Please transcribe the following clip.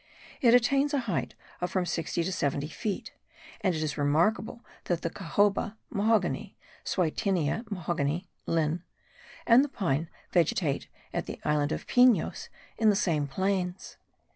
It attains a height of from sixty to seventy feet; and it is remarkable that the cahoba* (mahogany (* Swieteinia Mahogani, Linn.)) and the pine vegetate at the island of Pinos in the same plains.